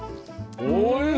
おいしい！